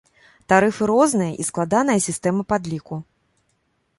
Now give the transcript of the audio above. Тарыфы розныя, і складаная сістэма падліку.